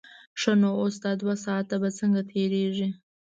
ښه نو اوس دا دوه ساعته به څنګه تېرېږي.